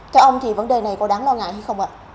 theo ông thì vấn đề này có đáng lo ngại hay không ạ